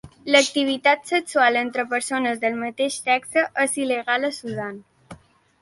L'activitat sexual entre persones del mateix sexe és il·legal a Sudan.